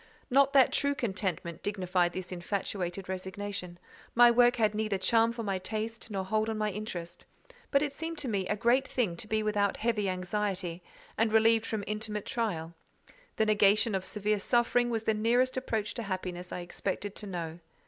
Not that true contentment dignified this infatuated resignation: my work had neither charm for my taste, nor hold on my interest; but it seemed to me a great thing to be without heavy anxiety, and relieved from intimate trial: the negation of severe suffering was the nearest approach to happiness I expected to know.